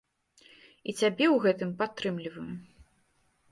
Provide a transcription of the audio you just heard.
І цябе ў гэтым падтрымліваю.